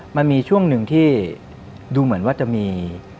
มันมีช่วงหนึ่งที่ดูเหมือนว่าจะมี